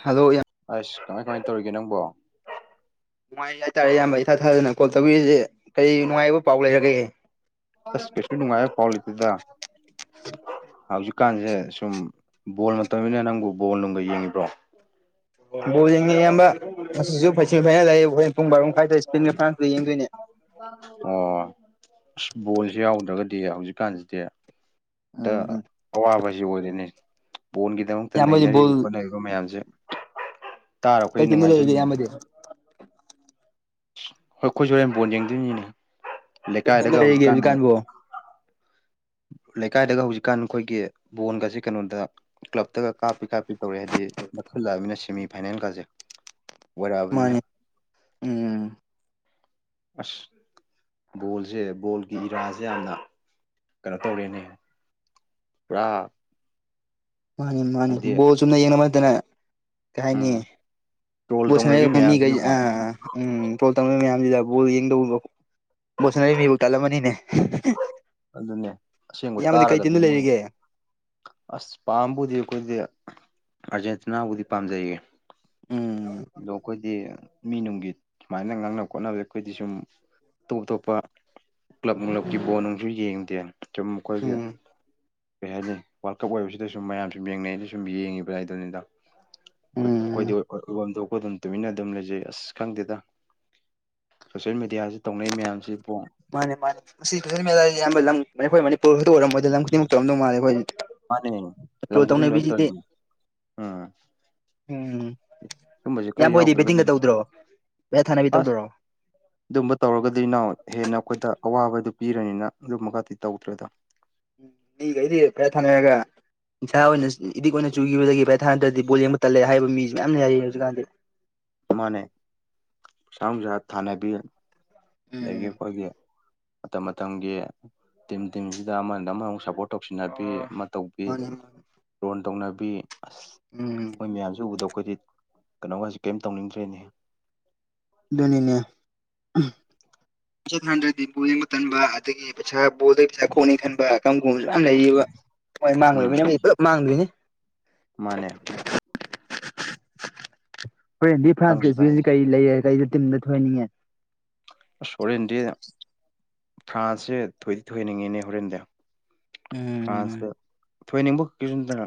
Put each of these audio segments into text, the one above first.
hello ꯏꯌꯥꯝ ꯑꯁ ꯀꯃꯥꯏ ꯀꯃꯥꯏ ꯇꯧꯔꯤꯒꯦ ꯅꯪꯕꯣ ꯅꯨꯡꯉꯥꯏꯔꯤ ꯍꯥꯏꯇꯥꯔꯦ ꯏꯌꯥꯝꯕ ꯏꯊꯥ ꯊꯥꯖꯗꯅ ꯀꯣꯜ ꯇꯧꯕꯤꯔꯤꯁꯦ ꯀꯔꯤ ꯅꯨꯡꯉꯥꯏꯕ ꯄꯥꯎ ꯂꯩꯔꯒꯦ ꯑꯁ ꯀꯩꯁꯨ ꯅꯨꯡꯉꯥꯏꯕ ꯄꯥꯎꯂꯤꯇꯦꯗ ꯍꯧꯖꯤꯛꯀꯥꯟꯁꯦ ꯁꯨꯝ ꯕꯣꯜ ꯃꯇꯝꯅꯤꯅ ꯅꯪꯕꯨ ꯕꯣꯜ ꯅꯨꯡꯒꯥ ꯌꯦꯡꯏꯕ꯭ꯔꯣ ꯕꯣꯜ ꯌꯦꯡꯉꯦ ꯏꯌꯥꯝꯕ ꯉꯁꯤꯁꯨ ꯐꯩꯁꯦꯃꯤ ꯐꯥꯏꯅꯦꯜ ꯂꯩꯌꯦ ꯍꫭꯔꯦꯟ ꯄꯨꯡ ꯕꯥꯔꫭ ꯃꯈꯥꯏꯗ ꯏꯁꯄꯦꯟꯒ ꯐ꯭ꯔꯥꯟꯁꯒ ꯌꯦꯡꯗꯣꯏꯅꯦ ꯑꯣ ꯑ ꯕꯣꯜꯁꯦ ꯌꯥꯎꯗ꯭ꯔꯒꯗꯤ ꯍꯧꯖꯤꯛꯀꯥꯟꯁꯤꯗꯤ ꯇꯥ ꯑꯋꯥꯕꯁꯦ ꯑꯣꯏꯔꯦꯅꯦ ꯕꯣꯜꯒꯤꯗꯃꯛꯇ ꯏꯌꯥꯝꯕꯗꯤ ꯅꯩꯅꯔꯤꯕ ꯕꯣꯜ ꯈꯣꯠꯅꯔꯤꯕ ꯑꯗꯨ ꯃꯌꯥꯝꯁꯦ ꯇꯥꯔꯒ ꯀꯩ ꯑꯈꫭꯏ ꯇꯤꯝꯗ ꯂꯩꯔꯤꯒꯦ ꯅꯨꯡꯉꯥꯏꯖꯥꯔꯤꯅꯤꯅꯦ ꯏꯌꯥꯝꯕꯗꯤ ꯍꯣꯏ ꯑꯩꯈꯣꯏꯁꯨ ꯍꯣꯔꯦꯝꯕꯣꯟ ꯌꯦꯡꯗꯣꯏꯅꯤꯅꯦ ꯀꯩ ꯇꯤꯝꯗ ꯂꯩꯀꯥꯏꯗꯒ ꯂꯩꯔꯤꯒꯦ ꯍꯧꯖꯤꯛꯀꯥꯟꯁꯦ ꯍꯧꯖꯤꯛꯀꯥꯟꯕꯣ ꯂꯩꯀꯥꯏꯗꯒ ꯍꯧꯖꯤꯛꯀꯥꯟ ꯑꯩꯈꯣꯏꯒꯤ ꯕꯣꯟꯒꯁꯦ ꯀꯩꯅꯣꯗ ꯀ꯭ꯂꯞꯇꯒ ꯀꯥꯞꯄꯤ ꯀꯥꯞ ꯇꯧꯔꯦ ꯍꯥꯏꯗꯤ ꯅꯥꯛꯁꯤꯜꯂꯥꯛꯑꯥꯕꯅꯤꯅ ꯁꯦꯃꯤ ꯐꯥꯏꯅꯦꯜ ꯀꯥꯁꯦ ꯃꯥꯅꯤ ꯎꯝ ꯑꯁ ꯕꯣꯜꯁꯦ ꯕꯣꯜꯒꯤ ꯏꯔꯥꯁꯦ ꯌꯥꯝꯅ ꯀꯩꯅꯣ ꯇꯧꯔꯦꯅꯦ ꯄꯨꯔꯥ ꯃꯥꯅꯤ ꯃꯥꯅꯤ ꯍꯥꯏꯗꯤ ꯕꫭꯜ ꯆꯨꯝꯅ ꯌꯦꯡꯅꯕ ꯅꯠꯇꯅꯥ ꯀꯩꯍꯥꯏꯅꯤ ꯎꯝ ꯇ꯭ꯔꯣꯜ ꯕꫭꯜ ꯇꯧꯅꯕꯤ ꯁꯅꯔꯤꯕ ꯃꯤꯒꯩ ꯃꯌꯥꯝꯁꯤꯅꯀꯣ ꯑꯥ ꯎꯝ ꯇ꯭ꯔꯣꯜ ꯇꯧꯅꯩ ꯃꯌꯥꯝꯁꯤꯗ ꯕꯣꯜ ꯌꯦꯡꯗꯧꯕꯧ ꯕꯣꯜ ꯁꯥꯟꯅꯔꯤ ꯃꯤꯕꯨ ꯇꯜꯂꯝꯃꯅꯤꯅꯦ ꯑꯗꯨꯅꯦ ꯑꯁꯦꯡꯕ ꯏꯌꯥꯝꯕꯗꯤ ꯀꯩ ꯇꯥꯔꯒꯗꯤ ꯇꯤꯝꯗ ꯃꯣꯏ ꯂꯩꯔꯤꯒꯦ ꯑꯁ ꯄꯥꯝꯕꯨꯗꯤ ꯑꯩꯈꯣꯏꯗꯤ ꯑꯥꯔꯖꯦꯟꯇꯤꯅꯥꯕꯨꯗꯤ ꯄꯥꯝꯖꯩꯌꯦ ꯎꯝ ꯗꫭ ꯈꫭꯏꯗꯤ ꯃꯤꯅꯨꯡꯒꯤ ꯁꯨꯃꯥꯏꯅ ꯉꯥꯡꯅꯕ ꯈꯣꯠꯅꯕꯗ ꯑꯩꯈꯣꯏꯗꯤ ꯁꯨꯝ ꯑꯇꯣꯞ ꯑꯇꯣꯞꯄ ꯀ꯭ꯂꯞ ꯅꫭꯡꯂꯞꯀꯤ ꯕꯣꯂ ꯅꯨꯡꯁꯨ ꯌꯦꯡꯗꯦ ꯁꯨꯝ ꯃꯈꯣꯏꯒꯤ ꯀꯩꯍꯥꯏꯅꯤ ꯋꯥꯔꯜ ꯀꯞ ꯑꯣꯏꯕꯁꯤꯗ ꯁꯨꯝ ꯃꯌꯥꯝ ꯁꯨꯝ ꯌꯦꯡꯅꯩꯅꯥ ꯁꯨꯝ ꯌꯦꯡꯉꯤꯕ ꯍꯥꯏꯕꯗꯨꯅꯤꯗꯥ ꯑꯩꯈꫭꯏ ꯎꯝ ꯑꯩꯈꯣꯏꯗꯤ ꯑꯣꯏꯕꯝ ꯊꯣꯛꯄ ꯑꯗꯨꯝ ꯇꯨꯃꯤꯟꯅ ꯑꯗꯨꯝ ꯂꯩꯖꯩ ꯑꯁ ꯈꯪꯗꯦꯗ ꯁꯣꯁꯌꯦꯜ ꯃꯦꯗꯤꯌꯥꯁꯤ ꯇꯧꯅꯩ ꯃꯌꯥꯝꯁꯤꯕꯨ ꯃꯥꯅꯦ ꯃꯥꯅꯦ ꯃꯁꯤ ꯁꫭꯁꯜ ꯃꯦꯗꯤꯌꯥꯁꯦ ꯑꯌꯥꯝꯕ ꯂꯝ ꯑꯩꯈꯣꯏ ꯃꯅꯤꯄꯨꯔ ꯈꯛꯇ ꯑꯣꯏꯔꯝꯃꫭꯏꯗꯤ ꯂꯝ ꯈꯨꯗꯤꯡꯃꯛꯇ ꯑꫭꯏꯔꯝꯗꯧ ꯃꯥꯂꯦ ꯑꯩꯈꯣꯏꯗꯤ ꯃꯥꯅꯦꯅꯦ ꯂꯝ ꯈꯨꯗꯤꯡ ꯂꯣꯏ ꯇꯧꯔꯤꯅꯦ ꯎꯝ ꯎꯝ ꯁꯨꯝꯕꯁꯦ ꯈꯔ ꯏꯌꯥꯝꯕ ꯍꫭꯏꯗꯤ ꯌꯥꯎꯗ꯭ꯔꯒꯗꯤ ꯕꯦꯇꯤꯡꯒ ꯇꯧꯗ꯭ꯔꯣ ꯄꯩꯁꯥ ꯊꯥꯅꯕꯤ ꯑꯁ ꯇꯧꯗ꯭ꯔꯣ ꯑꯗꯨꯝꯕ ꯇꯧꯔꯒꯗꯤ ꯏꯅꯥꯎ ꯍꯦꯟꯅ ꯑꯩꯈꯣꯏꯗ ꯑꯋꯥꯕꯗꯨ ꯄꯤꯔꯅꯤꯅ ꯑꯗꯨꯝꯕ ꯒꯗꯤ ꯇꯧꯗ꯭ꯔꯦꯗ ꯃꯤꯒꯩꯗꯤ ꯄꯩꯁꯥ ꯊꯅꯔꯥꯒ ꯅꯤꯁꯥ ꯑꯣꯏꯅ ꯏꯗꯤꯛ ꯑꯣꯏꯅ ꯆꯨꯈꯤꯕꯗꯒꯤ ꯚꯠ ꯊꯥꯅꯗ꯭ꯔꯗꯤ ꯕꯣꯜ ꯌꯦꯡꯕ ꯇꯜꯂꯦ ꯍꯥꯏꯕ ꯃꯤꯁꯨ ꯃꯌꯥꯝ ꯂꯦꯌꯦ ꯍꯧꯖꯤꯛꯀꯥꯟꯗꯤ ꯃꯥꯅꯦ ꯄꯩꯁꯥ ꯅꯨꯡꯁꯥ ꯊꯥꯟꯅꯕꯤ ꯑꯗꯒꯤ ꯎꯝ ꯑꯩꯈꯣꯏꯒꯤ ꯃꯇꯝ ꯃꯇꯝꯒꯤ ꯇꯤꯝ ꯇꯤꯝꯁꯤꯗ ꯑꯃꯗ ꯑꯃꯃꯨꯛ ꯁꯞꯄꯣꯔꯠ ꯇꯧꯁꯤꯟꯅꯕꯤ ꯑꯃ ꯇꯧ ꯃꯥꯅꯦ ꯃꯥꯅꯦ ꯂꯣꯟ ꯇꯧꯅꯕꯤ ꯑꯁ ꯎꯝ ꯃꯣꯏ ꯃꯌꯥꯝꯁꯨ ꯎꯕꯗ ꯑꯩꯈꯣꯏꯗꯤ ꯀꯩꯅꯣꯒꯁꯤ ꯀꯩꯝ ꯇꯧꯅꯤꯡꯗ꯭ꯔꯦꯅꯦ ꯑꯗꯨꯅꯤꯅꯦ ꯄꯩꯁꯥ ꯊꯥꯅ [inaudible] ꯗ꯭ꯔꯗꯤ ꯕꯡ ꯑꯃ ꯇꯟꯕ ꯑꯗꯒꯤ ꯄꯩꯁꯥ ꯕꯗꯒꯤ ꯄꯩ ꯈꯣꯛꯅꯤ ꯈꯟꯕ [inaudible] ꯀꯔꯝꯒꯨꯝꯁꯨꯌꯥꯝ ꯂꯩꯌꯦꯕ ꯍꯣꯏ ꯎꯝ ꯃꯥꯡꯂꯣꯏꯅ ꯄꯨꯂꯞ ꯃꯥꯡꯗꯣꯏꯅꯤ ꯃꯥꯅꯦ ꯍꯣꯔꯦꯟꯗꯤ ꯐ꯭ꯔꯥꯟꯁ ꯀ ꯈꯪꯗꯦꯗ ꯏꯁꯄꯦꯟꯒꯁꯦ ꯀꯔꯤ ꯂꯩꯔꯦ ꯀꯩꯗ ꯇꯤꯝꯗ ꯊꯣꯏꯍꯟꯅꯤꯡꯉꯦ ꯑꯁ ꯍꯣꯔꯦꯟꯗꯤ ꯐ꯭ꯔꯥꯟꯁꯁꯦ ꯊꯣꯏꯗꯤ ꯊꯣꯏꯍꯟꯅꯤꯡꯉꯤꯅꯦ ꯍꯣꯔꯦꯟꯗꯤ ꯎꯝ ꯐ꯭ꯔꯥꯟꯁꯇꫭ ꯊꯣꯏꯅꯤꯡꯕꯈꯛꯀꯤꯁꯨ ꯅꯠꯇꯅ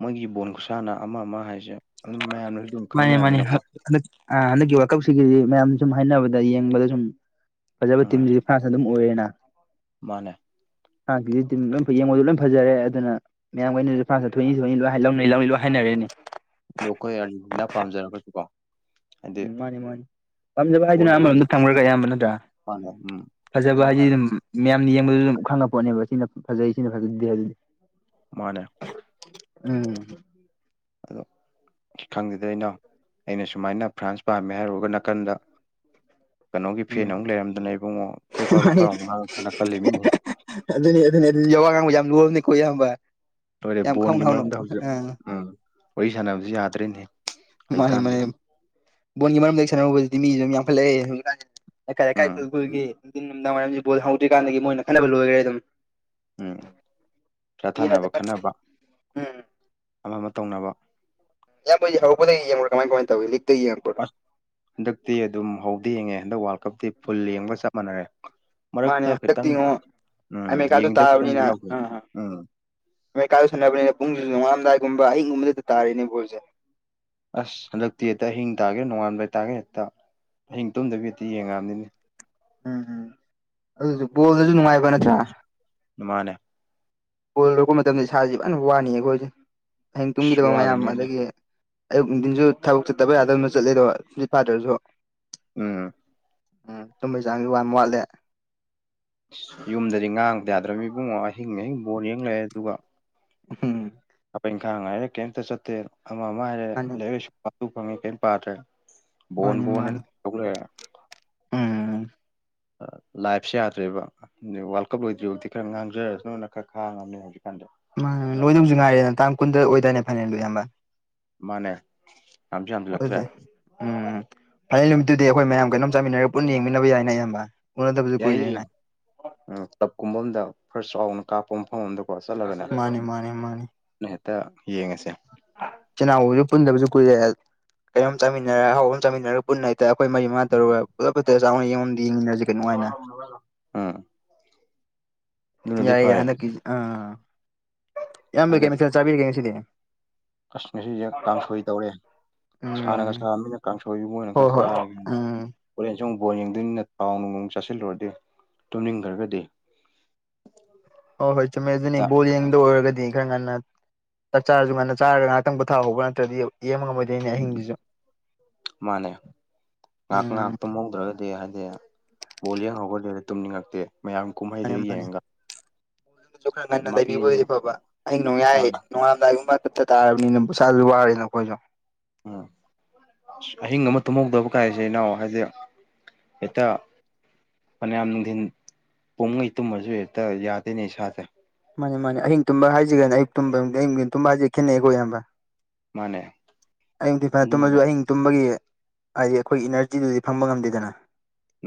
ꯃꯣꯏꯒꯤ ꯕꯣꯟ ꯈꯨꯠꯁꯥꯟꯅ ꯑꯃ ꯑꯃ ꯍꯥꯏꯁꯦ ꯑꯗꯨꯝ ꯃꯌꯥꯝꯅꯁꯨ ꯑꯗꯨꯝ ꯃꯥꯅꯦ ꯃꯥꯅꯦ ꯈꯪꯅꯔꯝꯃꯤꯅꯀꯣ ꯍꯟꯗꯛ ꯍꯟꯗꯛꯀꯤ ꯋꯥꯔꯜꯀꯞꯁꯤꯒꯤꯗꯤ ꯃꯌꯥꯝꯅ ꯁꯨꯝ ꯍꯥꯏꯅꯕꯗ ꯌꯦꯡꯕꯗ ꯁꯨꯝ ꯐꯖꯕ ꯎꯝ ꯇꯤꯝꯁꯤ ꯐ꯭ꯔꯥꯟꯁ ꯑꯗꯨꯝ ꯑꯣꯏꯔꯦꯅ ꯃꯥꯅꯦ ꯐ꯭ꯔꯥꯟꯁ ꯀꯤꯁꯤ ꯂꯣꯏ ꯌꯦꯡꯕꯗ ꯂꯣꯏ ꯐꯖꯔꯦ ꯑꯗꯨꯅ ꯃꯌꯥꯝ ꯀꯩꯅꯁꯨ ꯐ꯭ꯔꯥꯟ ꯅꯥ ꯊꯣꯏꯅꯤ ꯊꫭꯏꯅꯤ ꯂꫭꯏ ꯂꯣꯏꯅꯤ ꯂꯧꯅꯤ ꯂꯣꯏ ꯍꯥꯏꯅꯔꯦꯅꯦ ꯑꯗꯣ ꯑꯩꯈꯣꯏ ꯑꯔꯖꯦꯟꯇꯤꯅꯥ ꯄꯥꯝꯖꯔꯒꯁꯨ ꯀꯣ ꯎꯝ ꯃꯥꯅꯦ ꯃꯥꯅꯦ ꯄꯥꯝꯖꯕ ꯍꯥꯏꯗꯨꯅ ꯍꯣꯏ ꯍꯣꯏ ꯑꯃꯔꯣꯝꯗ ꯊꯝꯈ꯭ꯔꯒ ꯢꯌꯥꯝꯕ ꯅꯠꯇ꯭ꯔꯥ ꯃꯥꯅꯦ ꯎꯝ ꯐꯖꯕ ꯍꯥꯏꯗꯤ ꯑꯗꯨꯝ ꯃꯌꯥꯝꯅ ꯌꯦꯡꯕꯗꯨꯁꯨ ꯑꯗꯨꯝ ꯈꯪꯄꯣꯠꯅꯦꯕ ꯁꯤꯅ ꯐꯖꯩ ꯁꯤꯅ ꯐꯖꯗꯦ ꯑꯗꯨꯗꯤ ꯃꯥꯅꯦ ꯎꯝ ꯑꯗꯣ ꯈꯪꯗꯦꯗ ꯏꯅꯥꯎ ꯑꯩꯅ ꯁꯨꯃꯥꯏꯅ ꯐ꯭ꯔꯥꯟꯁ ꯄꯥꯝꯃꯦ ꯍꯥꯏꯔꯨꯔꯒ ꯅꯥꯀꯟꯗ ꯀꯩꯅꯣꯒꯤ ꯐꯦꯟ ꯑꯃꯨꯛ ꯎꯝ ꯂꯩꯔꯝꯗꯅ ꯏꯕꯨꯡꯉꯣ ꯄꯦꯄꯥ ꯄꯦꯄꯥ ꯃꯥꯅꯤ ꯑꯃꯨꯛ ꯉꯥꯡꯂꯛꯇꯅ ꯈꯜꯂꯤ ꯃꯤꯅꯦ ꯑꯗꯨꯅꯤ ꯑꯗꯨꯅꯤ ꯑꯗꯨ ꯋꯥ ꯉꯥꯡꯕ ꯌꯥꯝ ꯂꯨꯔꯕꯅꯤꯀꯣ ꯢꯌꯥꯝꯕ ꯂꯣꯏꯔꯦ ꯕꯣꯟꯒꯤ ꯃꯔꯝꯗ ꯍꯧꯖꯤꯛ ꯎꯝ ꯋꯥꯔꯤ ꯁꯥꯟꯅꯕꯁꯤ ꯌꯥꯗ꯭ꯔꯤꯅꯦ ꯃꯥꯅꯦ ꯃꯥꯅꯦ ꯕꯣꯟꯒꯤ ꯃꯔꯝꯗ ꯍꯦꯛ ꯁꯥꯟꯅꯔꯨꯕꯁꯤꯗꯤ ꯃꯤꯁꯨ ꯑꯗꯨꯝ ꯌꯥꯝꯈꯠꯂꯛꯑꯦ ꯍꯧꯖꯤꯛꯀꯥꯟꯁꯦ ꯎꯝ ꯑꯩꯜꯒꯤ [inaudible] ꯅꯨꯡꯤꯟ ꯅꯨꯃꯤꯗꯥꯡ ꯋꯥꯏꯝꯁꯤ ꯕꯣ ꯍꯧꯗ꯭ꯔꯤꯥꯟꯗꯒꯤ ꯃꯣꯏꯅ ꯈꯟꯅꯕ ꯂꯣꯏꯈꯔꯦ ꯑꯗꯨꯝ ꯎꯝ ꯊ ꯆꯥꯊꯅꯕ ꯎꯝ ꯈꯠꯅꯕ [inaudible] ꯑꯃ ꯑꯃ ꯇꯧꯅꯕ ꯢꯌꯥꯝꯕ ꯍꯣꯢꯗꯤ ꯍꯧꯔꯛꯕꯗꯩ ꯌꯦꯡꯕꯔꯥ ꯀꯃꯥꯏ ꯀꯃꯥꯏ ꯇꯧꯏ ꯂꯤꯛꯇꯩ ꯌꯦꯡꯉꯥꯛꯕ꯭ꯔꯣ ꯍꯟꯗꯛꯇꯤ ꯑꯗꯨꯝ ꯍꯧꯗꯩ ꯌꯦꯡꯉꯦ ꯍꯟꯗꯛ ꯋꯥꯔꯜ ꯀꯞꯇꯤ ꯐꯨꯜ ꯌꯦꯡꯕꯒ ꯆꯞ ꯃꯥꯟꯅꯔꯦ ꯃꯥꯅꯦ ꯃꯔꯛꯇ ꯍꯟꯗꯛꯇꯤ ꯈꯤꯇꯪ ꯉꯣ ꯎꯝ ꯑꯃꯦꯔꯤꯀꯥꯗꯣ ꯌꯦꯡꯗꯕ ꯈꯤꯇꯪꯗꯤ ꯌꯥꯎꯖꯩ ꯎꯝ ꯃꯩꯀꯥꯏꯥꯗ ꯁꯥꯟꯅꯕꯅꯤ ꯄꯨꯡꯁꯨ ꯅꯣꯡꯉꯥꯂꯝꯗꯥꯏꯒꯨꯝꯕ ꯑꯍꯤꯒꯨꯝꯕꯗ ꯇꯥꯔꯦꯅꯦ ꯕꯜꯁꯦ ꯑꯁ ꯍꯟꯗꯛꯇꯤ ꯍꯦꯛꯇ ꯑꯍꯤꯡ ꯇꯥꯒꯦ ꯅꯣꯡꯉꯥꯟꯕ ꯂꯩꯇꯥꯥꯒꯦ ꯍꯦꯛꯇ ꯑꯍꯤꯡ ꯇꯨꯝꯗꯕꯤ ꯍꯦꯛꯇ ꯌꯦꯡꯉꯛꯑꯕꯅꯤꯅꯦ ꯎꯝ ꯎꯝ ꯑꯗꯨꯁꯨ ꯕꯣꯜꯗꯁꯨ ꯅꯨꯡꯉꯥꯏꯕ ꯅꯠꯇ꯭ꯔꯥ ꯃꯥꯅꯦ ꯀꯣꯜ ꯂꯔꯛꯄ ꯃꯇꯝꯗ ꯏꯁꯥꯁꯦ ꯐꯖꯅ ꯋꯥꯅꯤ ꯑꯩꯈꯣꯏꯁꯦ ꯍꯌꯦꯡ ꯑꯁ ꯇꯨꯡꯈꯤꯗꯕ ꯃꯌꯥꯝ ꯋꯥꯗꯣꯏꯅꯦ ꯑꯗꯒꯤ ꯑꯌꯨꯛ ꯅꯨꯡꯊꯤꯟꯁꯨ ꯊꯕꯛ ꯆꯠꯇꯕ ꯌꯥꯗꯕꯅ ꯆꯠꯂꯦꯗꯣ ꯇꯨꯝꯁꯤꯠ ꯐꯥꯗ꯭ꯔꯁꯨ ꯎꯝ ꯎꯝ ꯇꯨꯝꯕꯩ ꯆꯥꯡꯁꯦ ꯌꯥꯝ ꯋꯥꯠꯂꯦ ꯌꯨꯝꯗꯗꯤ ꯉꯥꯡꯕ ꯌꯥꯗ꯭ꯔꯕ ꯃꯤ ꯏꯕꯨꯡꯉꯣ ꯑꯍꯤꯡ ꯑꯍꯤꯡ ꯕꯣꯜ ꯌꯦꯡ ꯂꯩꯔꯦ ꯑꯗꯨꯒ ꯎꯝ ꯍꯥꯄꯛ ꯏꯪꯈꯥꯡ ꯍꯥꯏꯥꯏꯔꯦ ꯀꯩꯝꯇ ꯆꯠꯇꯦ ꯑꯃ ꯑꯃ ꯍꯥꯏꯔꯦ ꯃꯥꯅꯤ ꯂꯩꯔꯁꯨ ꯐꯪꯉꯦ ꯀꯔꯤꯝ ꯄꯥꯗ꯭ꯔꯦ [inaudible] ꯎꯥ ꯑꯩ ꯂꯥꯏꯐꯁꯨ ꯌꯥꯗ꯭ꯔꯦꯕ ꯋꯥꯔꯜ ꯀꯞ ꯂꯣꯏꯗ꯭ꯔꯤꯐꯥꯎꯗꯤ ꯈꯔ ꯉꯥꯡꯖꯔꯁꯅꯅ ꯈꯔ ꯈꯥꯡꯉꯕꯅꯦ ꯍꯧꯖꯤꯛꯀꯥꯟꯗ ꯃꯥꯣꯏꯅꯧꯁꯨꯥꯏꯦ ꯅ ꯇꯥꯡ ꯀꯨꯟꯗ ꯑꯣꯏꯗꯣꯏꯔꯅꯦ ꯐꯥꯏꯅꯦꯟꯗꯣ ꯑꯕ ꯃꯥꯅꯦ ꯌꯥꯝꯁꯨ ꯍꯥꯝꯖꯤꯜꯂꯛꯇ꯭ꯔꯦ ꯑꯗꯨꯗꯤ ꯎꯝ ꯐꯅꯤꯦꯛ ꯅꯨꯃꯤꯠꯇꯨꯗꯤ ꯑꯩꯈꯣꯏ ꯃꯌꯥꯝ ꯀꯩꯅꯣꯝ ꯆꯥꯃꯤꯟꯅꯔꯒ ꯄꯨꯟꯅ ꯌꯦꯡꯃꯤꯟꯅꯕ ꯌꯥꯏꯅꯦ ꯑꯌꯥꯝꯕ ꯌꯥꯏꯌꯦ ꯀ꯭ꯂꯕ ꯀꯨꯝꯕ ꯑꯝꯗ ꯈꯔꯥ ꯆꯥꯎꯅ ꯀꯥꯞꯄ ꯃꯐꯝ ꯑꯗ ꯀꯣ ꯆꯠꯂꯒꯅꯦ ꯃꯥꯅꯤ ꯃꯥꯅꯤ ꯃꯥꯅꯤ ꯍꯦꯛꯇ ꯌꯦꯡꯉꯁꯦ ꯆꯤꯜꯅꯥꯎꯕꯁꯨ ꯄꯨꯟꯗꯕꯁꯨ ꯀꯨꯏꯔꯦ ꯀꯩꯅꯣꯝ ꯆꯥꯃꯤꯟꯅꯔ ꯑꯍꯧꯕ ꯑꯃ ꯆꯥꯃꯤꯟꯅꯔꯒ ꯄꯨꯟꯅ ꯑꯩꯈꯣꯏ ꯃꯥ ꯇꯔꯨꯔ ꯄꯨꯂꯞꯄ ꯆꯥꯎꯅ ꯌꯦꯉ ꯌꯦꯡꯃꯤꯟꯅꯁꯤꯒꯦ ꯎꯝ ꯑꯗꯨꯅꯗꯤ ꯌꯥꯏ ꯌꯥꯏ ꯐꯔꯦ ꯍꯟꯗꯛꯀꯤꯁꯤ ꯑꯥ ꯏꯌꯥꯝꯒꯦ ꯑꯗꯩ ꯃꯗ ꯆꯥꯕꯤꯔꯛꯒꯦ ꯉꯁꯤꯗꯤ ꯑꯁ ꯉꯁꯤꯁꯦ ꯀꯥꯡꯁꯣꯏ ꯇꯧꯔꯦ ꯎꯝ ꯁꯥꯥꯟꯅꯒ ꯁꯥꯕ ꯃꯤꯅ ꯀꯥꯡꯁꯣꯏ ꯃꯣꯏꯅ ꯈꯔ ꯍꯣꯏ ꯍꯣꯏ ꯆꯥꯔꯒꯦꯅ ꯎꯝ ꯍꯣꯔꯦꯟ ꯁꯨꯝ ꯕꯣꯟ ꯌꯦꯡꯗꯣꯏꯅꯤꯅ ꯄꯥꯎ ꯅꯨꯡ ꯅꯨꯡ ꯆꯥꯁꯤꯜꯂꯨꯔꯗꯤ ꯇꯨꯝꯅꯤꯡꯈ꯭ꯔꯒꯗꯤ ꯑꯣ ꯍꯣꯏ ꯆꯨꯝꯃꯦ ꯑꯗꯨꯅꯤ ꯕꯣꯜ ꯌꯦꯡꯗ ꯑꯣꯏꯔꯒꯗꯤ ꯈꯔ ꯉꯟꯅ ꯆꯥꯛ ꯆꯥꯔꯁꯨ ꯉꯟꯅ ꯆꯥꯔꯒ ꯉꯍꯥꯛꯇꯪ ꯄꯣꯊꯥꯍꯧꯕ꯭ꯔ ꯅꯠꯇ꯭ꯔꯗꯤ ꯌꯦꯡ ꯕ ꯃꯥꯅꯦ ꯉꯥꯏꯍꯥꯛ ꯎꯝ ꯉꯥꯏꯍꯥꯛꯇ ꯃꯣꯡꯗ꯭ꯔꯒ ꯑꯗꯨ ꯍꯥꯏꯗꯤ ꯕꯣ ꯂꯡꯍꯧꯕ ꯂꯩꯔ ꯇꯨꯝꯅꯤꯡꯉꯛꯇꯦ ꯃꯌꯥꯝ ꯀꯨꯝꯍꯩꯗꯨ ꯌꯦꯡꯉꯒ ꯗꯁꯨ ꯈꯔ ꯉꯟꯅ ꯃꯥꯄꯤ ꯂꯩꯕꯤꯕ ꯑꫭꯏꯗꯤ ꯐꯕ ꯑꯍꯤꯡ ꯅꯣꯡꯌꯥꯏ ꯃꯥꯅ ꯅꯣꯡꯉꯥꯝꯗꯥꯏꯒꯨꯝꯕ ꯐꯠꯇ ꯇꯥꯔꯕꯅꯤꯅꯁꯥꯁꯨ ꯋꯥꯔꯦꯅ ꯅꯈꯣꯏꯁꯨ ꯎꯝ ꯑ ꯑꯍꯤꯡ ꯑꯃ ꯇꯨꯝꯍꯧꯗꯕ ꯀꯥꯏꯁꯦ ꯏꯅꯥꯎ ꯍꯥꯏꯁꯦ ꯍꯦꯛꯇ ꯃꯅꯌꯥꯝ ꯅꯨꯡꯊꯤꯟ ꯄꯨꯡꯈꯩ ꯇꯨꯝꯃꯁꯨ ꯍꯦꯛꯇ ꯌꯥꯗꯣꯏꯅꯦ ꯏꯁꯥꯁꯦ ꯃꯥꯅꯦ ꯃꯥꯅꯦ ꯑꯍꯤꯡ ꯇꯨꯝꯕ ꯍꯥꯏꯁꯤꯒꯦꯅꯤ ꯑꯌꯨꯛꯨꯝꯕ ꯑꯛ ꯇꯨꯝꯕ ꯍꯥꯏꯁꯦ ꯈꯦꯠꯅꯩꯀꯣ ꯏꯌꯥꯝꯕ ꯃꯥꯅꯦ ꯑꯌꯧꯛ ꯊꯤꯟ ꯄꯔ ꯇꯨꯝꯃꯁꯨ ꯑꯗꯨꯅꯕꯨ ꯑꯍꯤꯡ ꯇꯨꯝꯕꯒꯤ ꯍꯥꯏꯗꯤ ꯑꯩꯈꯣꯏꯒꯤ ꯏꯅꯔꯖꯤꯗꯨꯗꯤ ꯐꯪꯕ ꯉꯝꯗꯦꯗꯅ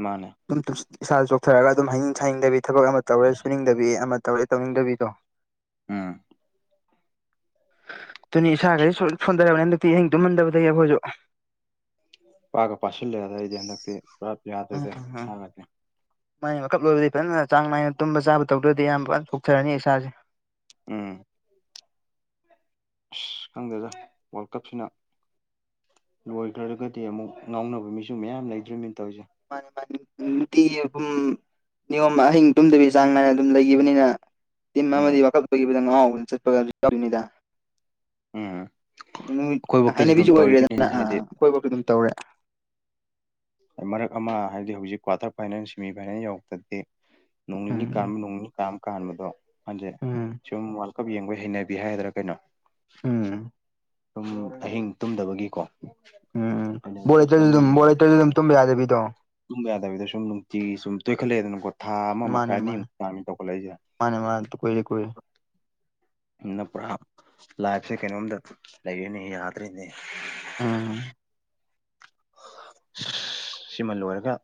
ꯃꯥꯅꯦ ꯑꯗꯨꯝ ꯇꯨꯝ ꯏꯁꯥꯗ ꯆꯣꯛꯊꯔꯒ ꯑꯗꯨꯝ ꯍꯩꯅꯤꯡ ꯁꯥꯏꯅꯤꯡꯗꯕꯤ ꯊꯕꯛ ꯑꯃ ꯇꯧꯔꯦ ꯁꯨꯅꯤꯡꯗꯕꯤ ꯑꯃ ꯇꯧꯔꯦ ꯇꯧꯅꯤꯡꯗꯕꯤꯗꯣ ꯑꯝ ꯗꯨꯅꯤ ꯏꯁꯥꯒꯥꯏꯗꯤ ꯁꫭꯟ ꯁꯣꯟꯗꯔꯕꯅꯤ ꯍꯟꯗꯛꯇꯤ ꯑꯍꯤꯡ ꯇꯨꯝꯃꯟꯗꯕꯗꯒꯤ ꯑꯩꯈꯣꯏꯁꯨ ꯄꯥꯛꯒ ꯄꯥꯁꯤꯜꯂꯦ ꯑꯗ ꯑꯩꯗꯤꯦ ꯍꯟꯗꯛꯇꯤ ꯄꯨꯔꯞ ꯌꯥꯗ꯭ꯔꯣꯏꯗꯤ ꯁꯥꯡꯉꯁꯦ ꯃꯥꯏ ꯋꯀꯞ ꯂꯣꯏꯕꯗꯩ ꯐꯖꯅ ꯆꯥꯡ ꯅꯥꯏꯅ ꯇꯨꯝꯕ ꯆꯥꯕ ꯇꯧꯗ꯭ꯔꯗꯤ ꯌꯥꯝ ꯐꯖꯅ ꯊꯣꯛꯊꯔꯅꯤ ꯏꯁꯥꯁꯦ ꯎꯝ ꯑꯁ ꯈꯪꯗꯦꯗ ꯋꯥꯔꯜ ꯀꯞꯁꯤꯅ ꯂꯣꯏꯈ꯭ꯔꯒꯗꯤ ꯑꯃꯨꯛ ꯉꯥꯎꯅꯕ ꯃꯤꯁꯨ ꯃꯌꯥꯝ ꯂꯩꯗ꯭ꯔꯤꯃꯤꯅ ꯇꯧꯔꯤꯁꯦ ꯃꯥꯅꯦ ꯃꯥꯅꯦ ꯅꯨꯇꯤ ꯑꯍꯨꯝ ꯅꯤꯌꯣꯝ ꯑꯍꯤꯡ ꯇꯨꯝꯗꯕꯤ ꯆꯥꯡ ꯅꯥꯏꯅ ꯑꯗꯨꯝ ꯂꯩꯈꯤꯕꯅꯤꯅ ꯇꯤꯝ ꯎꯝ ꯑꯃꯗꯤ ꯋꯥꯈꯜ ꯄꯈꯤꯕꯗ ꯉꯥꯎ ꯆꯠꯄ ꯌꯥꯎꯔꯤꯅꯤꯗ ꯎꯝ ꯅꯨꯃꯤꯠ ꯑꯩꯈꯣꯏꯐꯧꯇꯁꯨ ꯑꯗꯨꯝ ꯍꯥꯏꯅꯕꯤꯁꯨ ꯑꯣꯏꯈ꯭ꯔꯦꯗꯅ ꯇꯧꯔꯤꯃꯤꯅꯦ ꯍꯥꯏꯗꯤ ꯑꯩꯈꯣꯏꯕꯁꯨ ꯑꯗꯨꯝ ꯇꯧꯔꯦ ꯃꯔꯛ ꯑꯃ ꯍꯥꯏꯕꯗꯤ ꯍꯧꯖꯤꯛ ꯀ꯭ꯋꯥꯇꯔ ꯐꯥꯏꯅꯦꯜ ꯁꯦꯃꯤ ꯐꯥꯏꯅꯦꯜ ꯌꯧꯔꯛꯇꯗꯗꯤ ꯅꯣꯡ ꯅꯤꯅꯤ ꯀ ꯎꯝ ꯅꯣꯡ ꯅꯤꯅꯤ ꯀꯥꯝ ꯀꯥꯟꯕꯗꯣ ꯍꯟꯁꯦ ꯎꯝ ꯁꯨꯝ ꯀꯞ ꯌꯡꯕꯒꯤ ꯍꯩꯅꯕꯤꯦ ꯍꯥꯏꯒꯗ꯭ꯔꯥ ꯀꯩꯅꯣ ꯎꯝ ꯄꯨꯝ ꯑꯍꯤꯡ ꯇꯨꯝꯗꯕꯒꯤꯀꯣ ꯎꯝ ꯕꯣꯔ ꯍꯩꯅꯕꯤꯗꯣ ꯂꯩꯇꯁꯨ ꯁꯨꯝ ꯑꯗꯨꯝ ꯕꯣꯔ ꯂꯩꯇꯁꯨ ꯑꯗꯨꯝ ꯇꯨꯝꯕ ꯌꯥꯗꯕꯤꯗꯣ ꯇꯨꯝꯕ ꯌꯥꯗꯕꯤꯗ ꯁꯨꯝ ꯅꯨꯡꯇꯤ ꯁꯨꯝ ꯇꯣꯏꯈꯠꯂꯛꯑꯦꯗꯅꯀꯣ ꯊꯥ ꯑꯃ ꯃꯈꯥꯏ ꯃꯥꯅꯦ ꯃꯥꯅꯦ ꯑꯅꯤꯃꯨꯛ ꯆꯥꯅꯤ ꯇꯧꯈꯠꯂꯛꯏꯁꯦ ꯃꯥꯅꯦ ꯃꯥꯅꯦ ꯀꯣꯏꯔꯦ ꯀꯣꯏꯔꯦ ꯅ ꯄꯨꯔꯥ ꯂꯥꯏꯐꯁꯦ ꯀꯩꯅꯣꯝꯇ ꯂꯩꯔꯤꯣꯏꯅꯤ ꯌꯥꯗ꯭ꯔꯤꯅꯦ ꯎꯝ ꯁꯤꯃꯥ ꯂꯣꯏꯔꯒ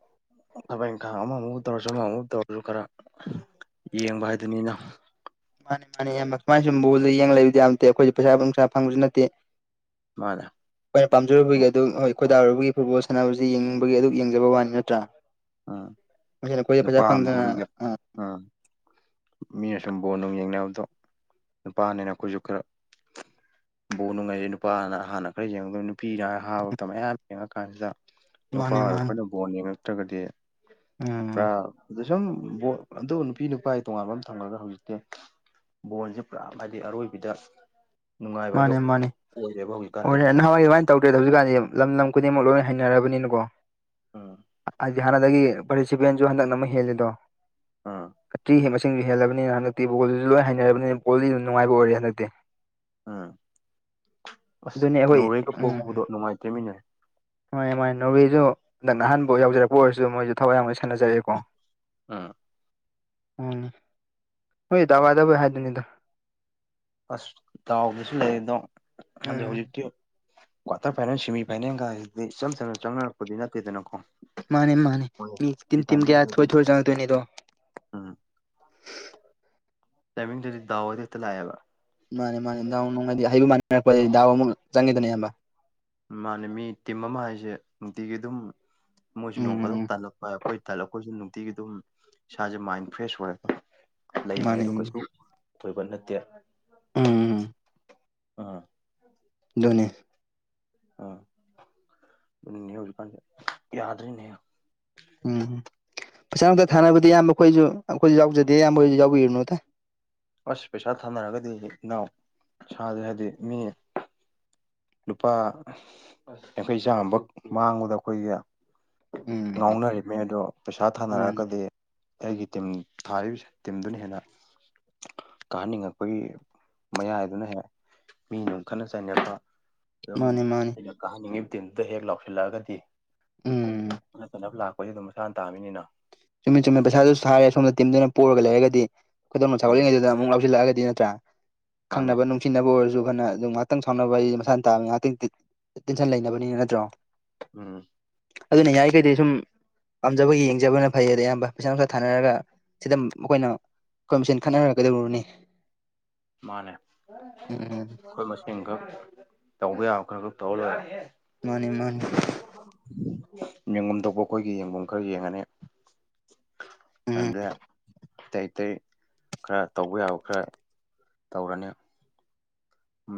ꯊꯕꯛ ꯏꯪꯈꯥꯡ ꯑꯃꯃꯨ ꯇꯧꯔꯁꯨ ꯑꯃꯃꯨ ꯇꯧꯔꯁꯨ ꯈꯔ ꯌꯦꯡꯕ ꯍꯥꯏꯗꯨꯅꯤ ꯏꯅꯥꯎ ꯃꯥꯅꯦ ꯃꯥꯅꯦ ꯁꯨꯃꯥꯏ ꯁꯨꯝꯕꯜꯗ ꯌꯦꯡ ꯂꯩꯕꯗꯤ ꯌꯥꯝ ꯅꯠꯇꯦ ꯑꯩꯈꯣꯏꯁꯨ ꯄꯩꯁꯥ ꯅꯨꯡꯁꯥ ꯐꯪꯕꯁꯨ ꯅꯠꯇꯦ ꯃꯥꯗ ꯑꯈꯩꯅ ꯄꯥꯝꯖꯔꯨꯕꯒꯤ ꯑꯗꯨ ꯍꯣꯏ ꯈꯣꯏꯗꯥꯔꯨꯕꯒꯤ ꯐꯨꯠꯕꯣꯜ ꯁꯥꯟꯅꯕꯁꯤ ꯌꯦꯡꯅꯤꯡꯕꯒꯤ ꯑꯗꯨꯛ ꯌꯦꯡꯖꯕ ꯋꯥꯅꯤ ꯅꯠꯇ꯭ꯔꯥ ꯎꯝ ꯀꯣꯏ ꯄꯩꯁꯥ ꯐꯪꯗ ꯑ ꯑꯝ ꯃꯤꯅ ꯁꯨꯝ ꯕꯣꯟ ꯅꯨꯡ ꯌꯦꯡꯅꯕꯗꯣ ꯅꯨꯄꯥꯅꯤꯅ ꯑꯩꯈꯣꯏꯁꯨ ꯈꯔ ꯕꯣ ꯅꯨꯡꯉꯥꯏꯔꯤ ꯅꯨꯄꯥꯅ ꯍꯥꯟꯅ ꯈꯔ ꯌꯦꯡꯉꯗꯣꯏ ꯅꯨꯄꯤ ꯅꯍꯥꯄꯧꯇ ꯃꯌꯥꯝ ꯌꯦꯡꯉ ꯀꯥꯟꯁꯤꯗ ꯅꯨꯄꯥ ꯃꯥꯅꯦ ꯑꯣꯏꯔ ꯃꯥꯅꯦ ꯑꯩꯣꯏꯅ ꯕꯣꯟ ꯌꯦꯉꯛꯇ꯭ꯔꯒꯗꯤ ꯎꯝ ꯄꯨꯔꯥ ꯑꯗ ꯁꯨꯝ ꯑꯗꯨ ꯅꯨꯄꯤ ꯅꯨꯄꯥ ꯇꯣꯉꯥꯟꯕ ꯑꯃ ꯊꯝꯂꯒ ꯍꯧꯖꯤꯛꯇꯤ ꯕꯣꯣꯟꯁꯦ ꯄꯨꯔꯥ ꯍꯥꯏꯗꯤ ꯑꯔꯣꯏꯕꯤꯗ ꯅꯨꯡꯉꯥꯏꯕ ꯍꯥꯏꯗꯣ ꯃꯥꯅꯦ ꯑꯣꯏꯔꯦꯕ ꯍꯧꯖꯤꯛꯀꯥꯟꯗꯤꯦ ꯇꯧꯗꯦꯗ ꯍꯧꯖꯤꯛꯀꯥꯟꯗꯤ ꯂꯝ ꯂꯝ ꯈꯨꯗꯤꯡꯃꯛ ꯂꯣꯏꯅ ꯍꯩꯅꯔꯕꯅꯤꯅꯀꯣ ꯎꯝ ꯍꯥꯏꯗꯤ ꯍꯥꯟꯅꯗꯒꯤ ꯄꯥꯔꯇꯤꯁꯤꯦꯟꯁꯨ ꯍꯟꯗꯛꯅ ꯑꯃ ꯍꯂꯜꯂꯤꯗꯣ ꯑꯥ ꯑ꯭ ꯃꯁꯤꯡꯁꯨ ꯍꯦꯜꯂꯅꯤꯅ ꯍꯟꯗꯤ ꯕꯣꯜꯗꯨꯁꯨ ꯂꯣꯏꯅ ꯍꯩꯅꯔꯕꯅꯤ ꯕꯣꯜꯗꯤ ꯑꯗꯨ ꯅꯨꯡꯉꯥꯏ ꯑꯣꯏ ꯍꯟꯗꯛꯇꯤ ꯎꯝ ꯑꯁ ꯑꯗꯨꯅꯤ ꯑꯩꯈꯣꯏ ꯅꯣꯔꯦꯒ ꯄꯣꯛꯍꯕꯗꯣ ꯅꯨꯡꯉꯥꯏꯇꯦꯃꯤꯅꯦ ꯃꯥꯣꯏ ꯃꯥꯏ ꯅꯣꯔꯋꯦꯁꯨ ꯍꯟꯛ ꯅꯍꯥꯟꯕꯥꯎ ꯌꯧꯖꯔꯛꯄ ꯑꯣꯏꯔꯁꯨ ꯃꯣꯏꯁꯨ ꯊꯋꯥꯏ ꯌꯥꯝ ꯂꯣꯏ ꯁꯥꯟꯅꯖꯔꯛꯑꯦꯀꯣ ꯎꯝ ꯎꯝ ꯍꯣꯏ ꯇꯋꯥꯏꯗꯕꯩ ꯍꯥꯏꯗꯣꯏꯅꯤꯗ ꯑꯁ ꯇꯥꯎꯗꯁꯨ ꯂꯩ ꯑꯗꯣ ꯍꯧꯖꯤꯛ ꯎꯝ ꯍꯧꯖꯤꯛꯤ ꯀ꯭ꯋꯥꯇꯔ ꯐꯥꯏꯅꯦꯜ ꯁꯦꯃꯤ ꯐꯥꯏꯅꯦꯜꯒꯁꯤꯗꯤ ꯏꯆꯝ ꯆꯝꯅ ꯆꯪꯅꯔꯛꯄꯗꯤ ꯅꯠꯇꯦꯗꯅꯀꯣ ꯃꯥꯅꯦ ꯃꯥꯅꯦ ꯍꯣꯏ ꯃꯤ ꯁꯤ ꯇꯤꯝꯒꯤꯌꯥ ꯊ ꯊ ꯆꯪꯉꯛꯇꯣꯏꯅꯤꯗꯣ ꯎ ꯇꯥꯏꯃꯤꯡꯗꯨꯗꯤꯗꯥꯋꯥꯏꯗꯤ ꯍꯦꯛꯇ ꯂꯥꯛꯑꯦꯕ ꯃꯥꯅꯦ ꯃꯥꯅꯦ ꯗꯥꯎ ꯅꯨꯡꯉꯥꯏꯗꯤ ꯍꯩꯕ ꯃꯥꯟꯔꯛꯄꯗꯒꯤ ꯗꯥꯎ ꯑꯃꯨꯛ ꯆꯪꯈꯤꯗꯅꯦ ꯏꯕ ꯃꯥꯅꯦ ꯃꯤ ꯇꯤꯝ ꯑꯃ ꯍꯥꯏꯁꯦ ꯅꯨꯡꯇꯤꯒꯤ ꯑꯗꯨꯝ ꯃꯣꯏꯁꯨ ꯎꯝ ꯅꯣꯡ ꯎꯝ ꯈꯗꯣꯛ ꯇꯜꯂꯛꯄ ꯑꯩꯈꯣꯏ ꯇꯥꯜꯂꯛꯄꯣꯏꯁꯨ ꯅꯨꯡꯇꯤꯒꯤ ꯑꯗꯨꯝ ꯏꯁꯥꯁꯦ ꯃꯥꯏꯟ ꯐ꯭ꯔꯦꯁ ꯑꯣꯏꯔꯦ ꯎꯝ ꯂꯩꯕ ꯃꯥꯅꯦ ꯍꯥꯏꯗꯣ ꯎꯝ ꯀꯩꯁꯨ ꯑꯣꯏꯕ ꯅꯠꯇꯦ ꯎꯝꯝ ꯎ ꯑꯗꯨꯅꯤ ꯑ ꯀꯥꯟ ꯌꯥꯗ꯭ꯔꯤꯅꯦ ꯎꯝꯝ ꯄꯩꯁꯥꯅꯛꯇ ꯊꯥꯅꯕꯗꯤ ꯑꯌꯥꯝꯕ ꯑꯩꯈꯣꯏꯁꯨ ꯑꯩꯈꯣꯏꯁꯨ ꯌꯥꯎꯖꯗꯦ ꯑꯌꯥꯝꯕꯈꯣꯏꯁꯨ ꯌꯥꯎꯕꯤꯔꯨꯅꯨ ꯑꯇ ꯑꯁ ꯄꯩꯁꯥ ꯊꯥꯅꯔꯒꯗꯤ ꯏꯅꯥꯎ ꯁꯥꯥꯁꯦ ꯍꯥꯏꯗꯤ ꯃꯤ ꯂꯨꯄꯥ ꯌꯥꯡꯈꯩ ꯆꯥꯝꯃꯈꯛ ꯃꯥꯡꯕꯗ ꯑꯩꯈꯣꯏꯒ ꯎꯝ ꯉꯥꯎꯅꯔꯤꯕꯅꯤ ꯑ ꯑꯗꯨ ꯄꯩꯁꯥ ꯃꯥꯅꯤ ꯊꯥꯅꯔꯛꯑꯒꯗꯤ ꯑꯩꯒꯤ ꯇꯤꯝ ꯊꯥꯔꯤꯕꯁꯦ ꯇꯤꯝꯗꯨꯅ ꯍꯦꯟꯅ ꯀꯥꯍꯅꯤꯡꯉꯛꯄꯒꯤ ꯃꯌꯥꯏꯗꯨꯅ ꯍꯦꯛ ꯃꯤꯗꯨ ꯈꯠꯅ ꯆꯩꯅꯤꯡꯕ ꯑꯗꯨꯝ ꯃꯥꯅꯤ ꯃꯥꯅꯤ ꯑꯩꯅ ꯀꯥꯍꯟꯅꯤꯡꯗꯕ ꯇꯤꯝꯗꯨꯗ ꯍꯦꯛ ꯂꯥꯎꯁꯤꯜꯂꯛꯑꯒꯗꯤ ꯎꯝ ꯈꯠꯅꯥ ꯆꯩꯅꯕꯥ ꯂꯥꯛ ꯑꯩꯈꯣꯏꯁꯨ ꯑꯗꯨꯝ ꯃꯁꯥꯅ ꯇꯥꯃꯤꯅꯤꯅ ꯆꯨꯝꯃꯦ ꯆꯨꯝꯃꯦ ꯄꯩꯁꯥꯗꯨꯁꯨ ꯁꯥꯔꯦ ꯑ ꯁꯣꯝꯗ ꯇꯤꯝꯗꯨꯅ ꯄꯔꯒ ꯂꯩꯔꯒꯗꯤ ꯈꯨꯗꯝ ꯃꯆꯥ ꯎꯝ ꯎꯠꯂꯤꯉꯩꯗꯨꯗ ꯑꯃꯨꯛ ꯉꯥꯎꯁꯟꯂꯛꯑꯒꯗꯤ ꯅꯠꯇ꯭ꯔ ꯃꯥꯅꯦ ꯈꯪꯅꯕ ꯅꯨꯃ ꯇꯤꯟꯅꯕ ꯑꯣꯏꯔꯁꯨ ꯐꯅ ꯑꯗꯨꯝ ꯉꯥꯏꯥꯛꯪ ꯁꯥꯎꯅꯕ ꯑꯩ ꯃꯁꯥꯅꯥꯕ ꯉꯥꯏꯍꯥꯛꯇꯪ ꯇꯦꯟꯁꯟ ꯂꯩꯅꯕꯅꯤꯅ ꯅꯠꯇ꯭ꯔꯣ ꯎꯝ ꯑꯗꯨꯅ ꯌꯥꯔꯤꯈꯩꯗꯩ ꯁꯨꯝ ꯄꯥꯝꯖꯕ ꯌꯦꯡꯖꯕꯅ ꯐꯩ ꯑꯗ ꯑꯌꯥꯝꯕ ꯄꯩꯁꯥ ꯅꯨꯡꯁꯥ ꯊꯥꯅꯔꯒ ꯁꯤꯗ ꯑꯩꯈꯣꯏꯅ ꯑꯩꯈꯣꯏ ꯃꯁꯦꯟ ꯈꯠꯅꯔꯛꯒꯗꯧꯔꯅꯤ ꯃꯥꯅꯦ ꯎꯝ ꯑꯩꯈꯣꯏ ꯃꯁꯤꯡꯈꯛ ꯇꯧꯕ ꯌꯥꯕ ꯈꯔ ꯈꯛ ꯇꯧꯔ ꯂꫭꯏꯔꯦ ꯃꯥꯅꯤ ꯃꯥꯅꯤ ꯌꯦꯡꯐꯝꯐꯝ ꯊꯣꯛꯧꯕ ꯑꯩꯈꯣꯏꯒꯤ ꯌꯦꯡꯐꯝ ꯈꯔ ꯌꯦꯡꯉꯅꯤ ꯎꯝ ꯍꯪꯗꯦ ꯑꯇꯩ ꯑꯇꯩ ꯈꯔ ꯇꯧꯕ ꯌꯥꯕ ꯈꯔ ꯇꯧꯔꯅꯤ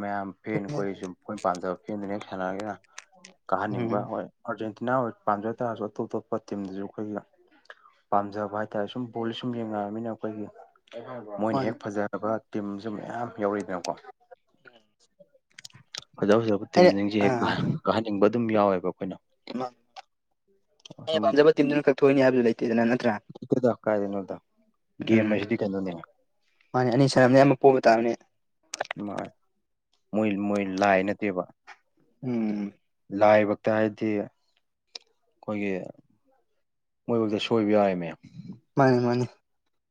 ꯃꯌꯥꯝ ꯐꯦꯟ ꯑꯩꯈꯣꯏꯁꯨ ꯑꯩꯈꯣꯏꯅ ꯄꯥꯝꯖꯕ ꯐꯦꯟꯗꯨꯅ ꯍꯦꯛ ꯁꯥꯟꯅꯔꯒꯦꯅ ꯎꯝ ꯀꯥꯍꯟꯅꯤꯡꯕ ꯍꯣꯏ ꯑꯥꯔꯖꯦꯟꯇꯤꯅꯥ ꯑꯣꯏ ꯄꯥꯝꯖ ꯇꯥꯔꯁꯨ ꯑꯇꯣꯞ ꯑꯇꯣꯞꯄ ꯇꯤꯝꯗꯁꯨ ꯑꯩꯈꯣꯏꯒ ꯄꯥꯝꯖꯕ ꯍꯥꯏꯇꯥꯥꯔꯦ ꯁꯨꯝ ꯕꯣꯜꯁꯦ ꯁꯨꯝ ꯌꯦꯡꯅꯛꯑꯅꯤꯅ ꯑꯩꯈꯣꯏꯒꯤ ꯃꯣꯏꯅ ꯃꯥꯅꯤ ꯍꯦꯛ ꯐꯖꯕ ꯇꯤꯝꯁꯨ ꯃꯌꯥꯝ ꯌꯥꯎꯔꯤꯛꯏꯗꯅꯀꯣ ꯐꯖ ꯐꯖꯕ ꯑꯩꯅ ꯇꯤꯝꯁꯤꯡꯁꯦ ꯍꯦꯛ ꯑꯥ ꯀꯥꯍꯟꯅꯤꯡꯕ ꯑꯗꯨꯝ ꯌꯥꯎꯋꯦꯕ ꯑꯩꯈꯣꯏꯅ ꯑꯩꯩꯅ ꯑꯗꯨꯝ ꯄꯥꯝꯖꯕ ꯇꯤꯝꯗꯨꯅ ꯀꯛꯊꯣꯛꯏꯅꯤ ꯍꯥꯏꯕꯁꯨ ꯂꯩꯇꯦꯗꯅ ꯅꯠꯇ꯭ꯔꯥ ꯗ ꯀ ꯑꯗꯨꯅ ꯒꯝ ꯎꯝ ꯍꯨꯁꯤꯗꯤ ꯀꯩꯅꯣꯅꯤ ꯃꯥꯅꯦ ꯑꯅꯤ ꯁꯅꯕꯅꯤ ꯑꯃ ꯄ ꯑꯣꯏꯕ ꯇꯥꯕꯅꯦ ꯃꯣꯏ ꯃꯣꯏ ꯃꯣꯏ ꯂꯥꯏ ꯅꯠꯇꯦꯕ ꯎꯝ ꯂꯥꯏꯕꯛꯇ ꯍꯥꯏꯗꯤ ꯑꯩꯈꯣꯏꯒꯤ ꯃꯣꯏꯕꯨꯥꯎꯗ ꯁꯣꯏꯕ ꯌꯥꯏ ꯃ ꯃꯥꯅꯦ ꯃꯥꯅꯦ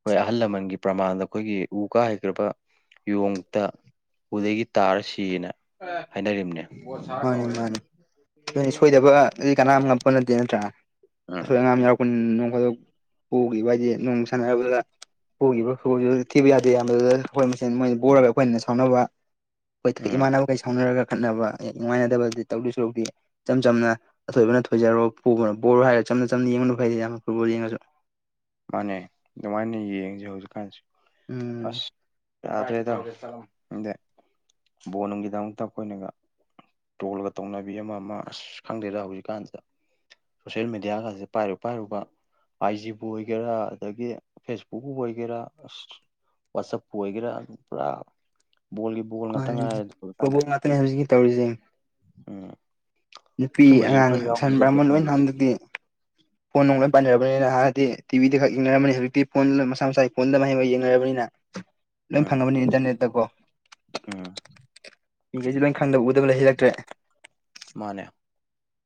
ꯍꯣꯏ ꯑꯍꯜ ꯂꯃꯟꯒꯤ ꯄ꯭ꯔꯃꯥꯟꯗ ꯑꯩꯈꯣꯏꯒꯤ ꯎ ꯀꯥ ꯍꯩꯈ꯭ꯔꯕ ꯌꯣꯡꯇ ꯎꯗꯒꯤ ꯇꯥꯔ ꯁꯤꯌꯦꯅ ꯍꯥꯏꯅꯔꯤꯕꯝꯅꯦ ꯃꯥꯅꯤ ꯃꯥꯅꯤ ꯑꯗꯨꯅꯤ ꯁꯣꯏꯗꯕꯗꯤ ꯀꯅꯥꯝ ꯉꯛꯄ ꯅꯠꯇꯦ ꯅꯠꯇ꯭ꯔꯥ ꯎꯝ ꯑꯁꯣꯏ ꯑꯉꯥꯝ ꯌꯥꯎꯔ ꯈꯨꯟ ꯅꯣꯡꯈꯗꯣꯛ ꯄꯨꯈꯤꯕ ꯍꯥꯏꯗꯤ ꯅꯣꯡ ꯁꯥꯟꯅꯔꯕꯗ ꯎꯈꯤꯕꯗꯤ ꯊꯤꯕ ꯌꯥꯗꯦ ꯌꯥꯝꯕꯗꯨꯗ ꯑꯩꯈꯣꯏ ꯃꯁꯦꯟ ꯃꯣꯏꯅ ꯄꯣꯔꯒ ꯑꯩꯈꯣꯏꯅ ꯁꯥꯎꯅꯕ ꯑꯩꯈꯣꯏ ꯎꯝ ꯏꯃꯥꯟꯅꯕꯈꯩ ꯁꯥꯎꯅꯔꯒ ꯈꯠꯅꯕ ꯍ ꯅꯨꯡꯉꯥꯏꯅꯗꯕꯗꯤ ꯇꯧꯗꯁꯨꯧꯗꯦ ꯏꯆꯝ ꯆꯝꯅ ꯑꯊꯣꯏꯕꯅ ꯊꯣꯏꯖꯔꯣ ꯑꯄꯣꯕꯅꯥ ꯄꯣꯔꯣ ꯍꯥꯏꯔ ꯆꯝꯅ ꯆꯝꯅ ꯌꯦꯡꯕꯅ ꯐꯩꯗꯦ ꯌꯥꯝꯅ ꯐꯨꯠꯕꯣꯜ ꯌꯦꯡꯉꯁꯨ ꯃꯥꯅꯦ ꯑꯗꯨꯃꯥꯏꯅ ꯌꯦꯡꯁꯦ ꯍꯧꯖꯤꯛꯀꯥꯟꯁꯤ ꯎꯝ ꯑꯁ ꯌꯥꯗ꯭ꯔꯦꯗꯗ ꯕꯣꯅꯨꯡꯒꯤꯗꯃꯛꯇ ꯑꯩꯈꯣꯏꯅꯒ ꯇꯣꯜꯂꯒ ꯇꯧꯅꯕꯤ ꯑꯃ ꯑꯃ ꯑꯁ ꯈꯪꯗꯦꯗ ꯍꯧꯖꯤꯛꯀꯥꯟꯁꯤꯗ ꯁꯣꯁꯜ ꯃꯦꯗꯤꯌꯥꯒꯁꯦ ꯄꯥꯏꯔꯨ ꯄꯥꯏꯔꯨꯕ ꯑꯥꯢ ꯖꯤ ꯕꯨ ꯑꯣꯏꯒꯦꯔꯥ ꯑꯗꯒꯤ ꯐꯦꯁꯕꯨꯛꯕꯨ ꯑꯣꯏꯒꯦꯔꯥ ꯑꯁ ꯋꯥꯆꯞꯄꯨ ꯑꯣꯏꯒꯦꯔꯥ ꯑꯗꯨ ꯄꯨꯔꯥ ꯕꯣꯜꯒꯤ ꯕꯣꯜ ꯉꯥꯛꯇ ꯃꯥꯅꯦ ꯉꯥꯏꯔꯦ ꯍꯧꯖꯤꯛꯀꯥꯟꯗ ꯐꯨꯠꯕꯣꯜ ꯉꯥꯛꯇꯅꯦ ꯍꯧꯖꯤꯛꯀꯤ ꯇꯧꯔꯤꯁꯦ ꯎꯝ ꯅꯨꯄꯤ ꯁꯨꯝꯕꯁꯤꯁꯨ ꯑꯉꯥꯡ ꯈꯔ ꯁꯟꯕ꯭ꯔꯥ ꯌꯥꯎꯗ꯭ꯔꯒꯗꯤ ꯑꯃꯟꯣꯏ ꯎꯝ ꯑꯣꯏꯅ ꯍꯟꯗꯛ ꯇꯤ ꯐꯣꯟ ꯅꯨꯡ ꯂꫭꯏ ꯄꯥꯟꯅꯔꯕꯅꯤꯅ ꯍꯥꯟꯅꯗꯤ ꯇꯤꯚꯤꯗ ꯈꯛ ꯌꯦꯡꯅꯔꯕꯅꯤ ꯍꯧꯖꯤꯛꯇꯤ ꯐꯣꯟ ꯃꯁꯥ ꯃꯁꯥꯒꯤ ꯐꯣꯟꯗ ꯃꯍꯩ ꯃꯍꯩ ꯌꯦꯡꯅꯔꯕꯅꯤꯅ [unintelligible] ꯂꯣꯏ ꯐꯪꯉꯕꯅꯤ ꯏꯟꯇꯔꯅꯦꯠꯇ ꯀꯣ ꯎꯝ ꯃꯤꯒꯩꯁꯦ ꯂꯣꯏ ꯈꯪꯗꯕ ꯎ ꯑꯗꯨꯕꯨ ꯂꯩꯁꯤꯜꯂꯛꯇ꯭ꯔꯦ ꯃꯥꯅꯦ